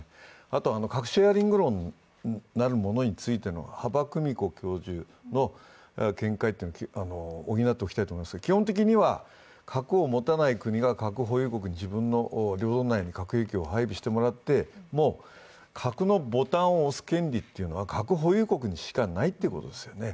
あと核シェアリング論になるものについての羽場久美子教授の見解を補っておきたいと思いますが基本的には核を持たない国が核保有国に自分の領土内に核兵器を配備してもらっても核のボタンを押す権利というのは核保有国にしかないということですよね。